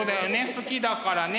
好きだからね。